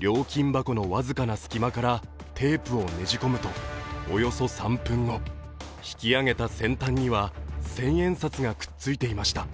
料金箱の僅かな隙間からテープをねじ込むと、およそ３分後引き上げた先端には千円札がくっついていました。